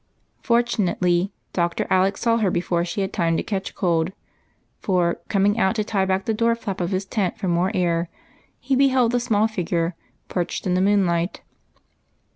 Fortunately, Dr. Alec saw her before she had time to catch cold, for coming out to tie back the door flap of his tent for more air, he be held the small figure perched in the moonlight.